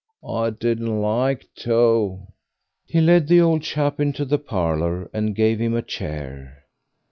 "I didn't like to." He led the old chap into the parlour and gave him a chair.